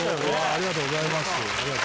ありがとうございます。